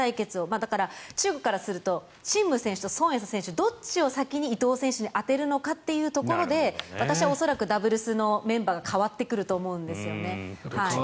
だから、中国からするとチン・ム選手とソン・エイサ選手どっちを先に伊藤選手に当てるのかというところで私は恐らくダブルスのメンバーが変わってくると思うんですよね。